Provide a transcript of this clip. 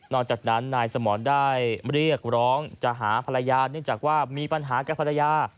หลังจากนั้นนายสมรได้เรียกร้องจะหาภรรยาเนื่องจากว่ามีปัญหากับภรรยา